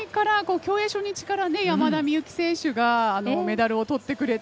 競泳初日から山田美幸選手がメダルをとってくれて。